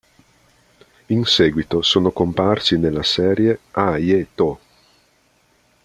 In seguito sono comparsi nella serie "A je to!